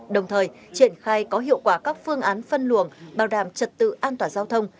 đồng thời triển khai có hiệu quả các phương án phân luồng bảo đảm trật tự an toàn giao thông